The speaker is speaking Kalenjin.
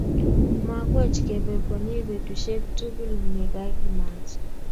Makwech kebe konyi betushek tukul nekakimach